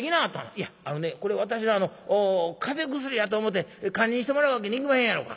「いやあのねこれ私は風邪薬やと思って堪忍してもらうわけにいきまへんやろか？」。